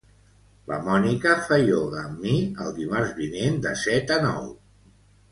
La Mònica fa ioga amb mi el dimarts vinent de set a nou.